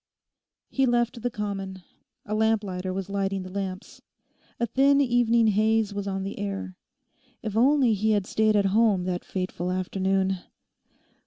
He left the common. A lamplighter was lighting the lamps. A thin evening haze was on the air. If only he had stayed at home that fateful afternoon!